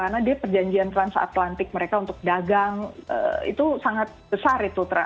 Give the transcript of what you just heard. karena dia perjanjian transatlantik mereka untuk dagang itu sangat besar itu